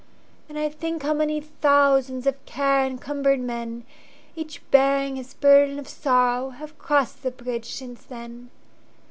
And I think how many thousandsOf care encumbered men, Each bearing his burden of sorrow, Have crossed the bridge since then.